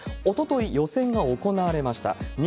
おととい、予選が行われました。